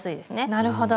なるほど。